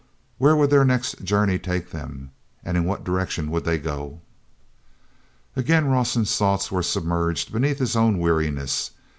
Where would their next journey take them? And in what direction would they go? Again Rawson's thoughts were submerged beneath his own weariness.